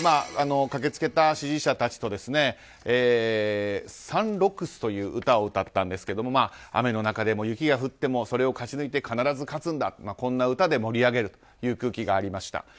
駆けつけた支持者たちと「常緑木」という歌を歌ったんですけど雨の中でも雪が降ってもそれを勝ち抜いて必ず勝つんだ、こんな歌で盛り上げるという空気がありました。